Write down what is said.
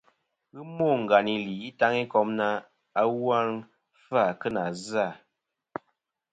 Ghɨ mô ngàyn î lì Itaŋikom na, "awu a nɨn fɨ-à kɨ nà zɨ-à.”.